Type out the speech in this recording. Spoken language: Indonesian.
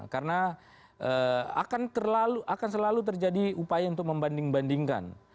karena akan selalu terjadi upaya untuk membanding bandingkan